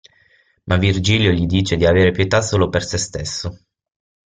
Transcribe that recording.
Ma Virgilio gli dice di avere pietà solo per sé stesso.